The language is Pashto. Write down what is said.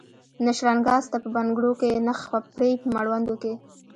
نه شرنګا سته په بنګړو کي نه خپړي مړوندو کي